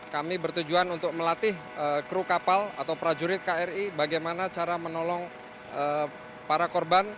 kami bertujuan untuk melatih kru kapal atau prajurit kri bagaimana cara menolong para korban